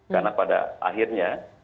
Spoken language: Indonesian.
karena pada akhirnya